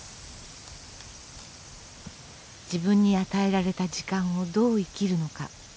自分に与えられた時間をどう生きるのか。